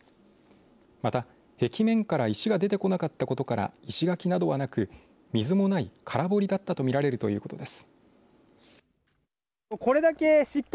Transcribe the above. また壁面から石が出てこなかったことから石垣などはなく水もない空堀だったと見られるということです。